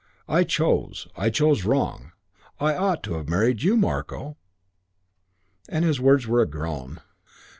I chose. I chose wrong. I ought to have married you, Marko." And his words were a groan.